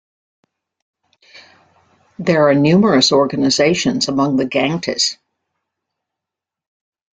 There are numerous organisations among the Gangtes.